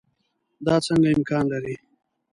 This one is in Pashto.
دا څنګه امکان لري.